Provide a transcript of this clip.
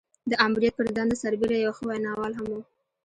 د آمريت پر دنده سربېره يو ښه ويناوال هم و.